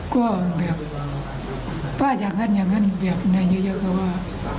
ก็อย่างงั้นอย่างงั้นอย่างเยอะเขาว่า